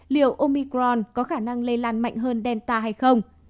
liệu omicron có khả năng lây lan mạnh hơn delta hay không